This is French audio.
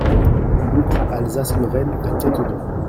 Boucle Alsace-Lorraine à Cattenom